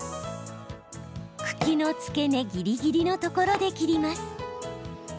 茎の付け根ぎりぎりのところで切ります。